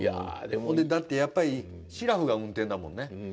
だってやっぱりしらふが運転だもんね。